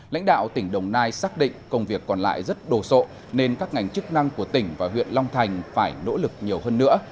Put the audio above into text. lãnh đạo tỉnh đồng nai xác định công việc còn lại rất đồ sộ nên các ngành chức năng của tỉnh và huyện long thành phải nỗ lực nhiều hơn nữa